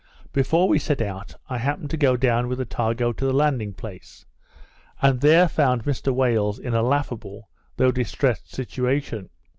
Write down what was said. Before we set out, I happened to go down with Attago to the landing place, and there found Mr Wales in a laughable, though distressed situation.